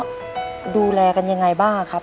น้อดูแลกันยังไงบ้างป่ะครับ